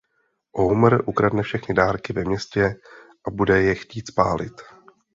Homer ukradne všechny dárky ve městě a bude je chtít spálit.